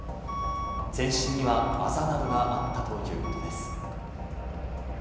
全身にはアザなどがあったということです。